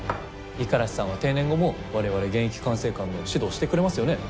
五十嵐さんは定年後も我々現役管制官の指導してくれますよね？